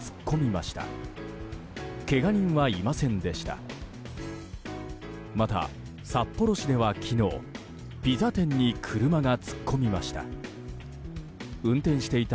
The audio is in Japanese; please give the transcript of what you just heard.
また、札幌市では昨日ピザ店に車が突っ込みました。